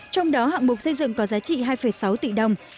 trong đó hạng mục xây dựng có giá trị hai sáu tỷ đồng